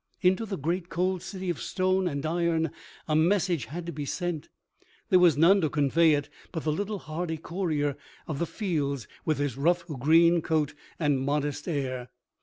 Into the great cold city of stone and iron a message had to be sent. There was none to convey it but the little hardy courier of the fields with his rough green coat and modest air.